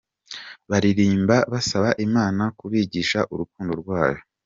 Baririmba basaba Imana kubigisha urukundo rwayo.